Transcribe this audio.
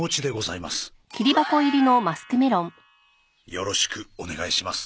よろしくお願いします。